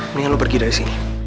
mendingan lo pergi dari sini